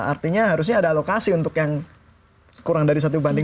artinya harusnya ada alokasi untuk yang kurang dari satu banding